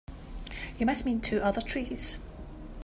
You must mean two other trees.